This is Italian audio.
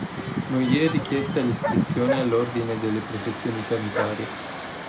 Non gli è richiesta l'iscrizione all'ordine delle professioni sanitarie.